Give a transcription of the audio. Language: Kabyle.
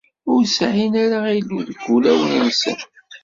Ur sɛin ara Illu deg wulawen-nsen.